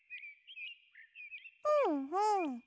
ふんふん。